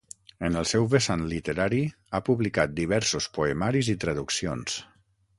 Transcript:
En el seu vessant literari, ha publicat diversos poemaris i traduccions.